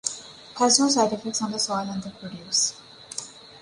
Has no side effects on the soil and the produce.